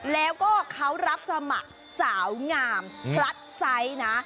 แล้วก็เขารับสมัครสาวงามพลัดไซส์นะ